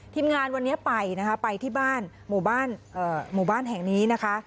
งานวันนี้ไปนะคะไปที่บ้านหมู่บ้านแห่งนี้นะคะ